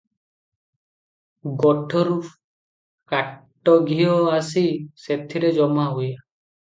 ଗୋଠରୁ କାଟଘିଅ ଆସି ସେଥିରେ ଜମାହୁଏ ।